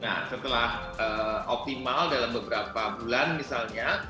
nah setelah optimal dalam beberapa bulan misalnya